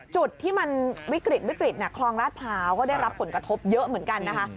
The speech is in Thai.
จุดที่มันวิกฤตวิกฤตคลองราชพร้าวก็ได้รับผลกระทบเยอะเหมือนกันนะคะ